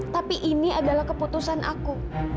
tapi ini adalah keputusan aku